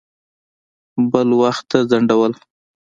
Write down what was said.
بل وخت ته ځنډول.